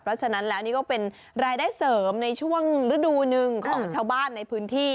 เพราะฉะนั้นแล้วนี่ก็เป็นรายได้เสริมในช่วงฤดูหนึ่งของชาวบ้านในพื้นที่